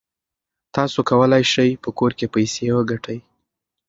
تاسو کولای شئ په کور کې پیسې وګټئ.